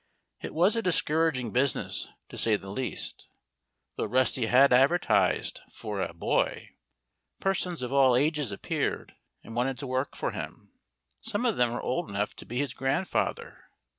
It was a discouraging business, to say the least. Though Rusty had advertised for a "boy," persons of all ages appeared and wanted to work for him. Some of them were old enough to be his grandfather.